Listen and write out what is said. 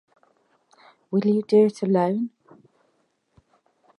Will you do it alone?